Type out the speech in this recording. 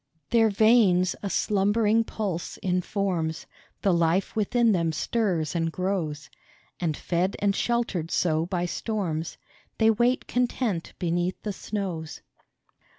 86 SNOWBOUND Their veins a slumbering pulse informs, The life within them stirs and grows, And fed and sheltered so by storms, They wait content beneath the snows.